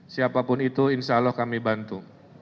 siapapun itu insyaallah kami bantu